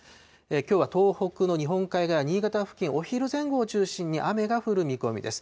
きょうは東北の日本海側、新潟付近、お昼前後を中心に雨が降る見込みです。